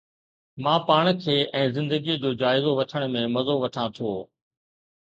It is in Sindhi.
مان پاڻ کي ۽ زندگيءَ جو جائزو وٺڻ ۾ مزو وٺان ٿو